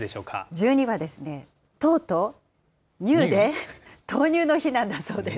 １２はですね、とうとにゅーで豆乳の日なんだそうです。